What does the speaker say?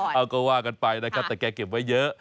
ก็ว่าก็ว่ากันไปแต่แกเก็บไว้เยอะ